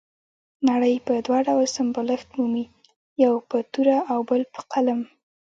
نړۍ په دوه ډول سمبالښت مومي، یو په توره او بل په قلم.